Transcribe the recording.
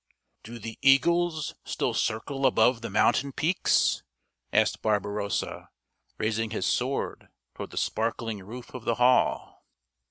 " Do the eagles still circle above the mountain peaks ?" asked Barbarossa, raising his sword toward the sparkling roof of the hall.